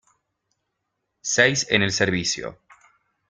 Seis en el servicio.